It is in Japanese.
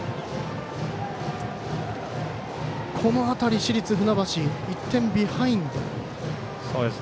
この辺り、市立船橋１点ビハインド。